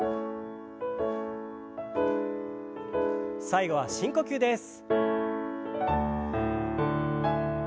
最後は深呼吸です。